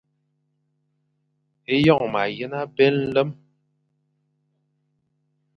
Eyon mayen abé nlem.